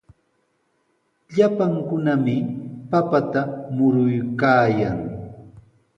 Llapankunami papata muruykaayan.